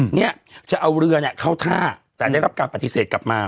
เนี่ยจะเอาเรือเนี่ยเข้าท่าแต่ได้รับการปฏิเสธกลับมา